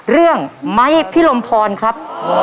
เรื่องไหมพี่ลมพรครับ